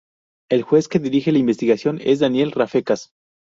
El juez que dirige la investigación es Daniel Rafecas.